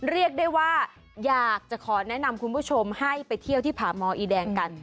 เรียกได้ว่าอยากจะขอแนะนำคุณผู้ชมให้ไปเที่ยวที่ผาหมออีแดงกัน